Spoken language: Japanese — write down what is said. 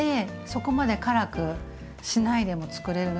そこまで辛くしないでもつくれる。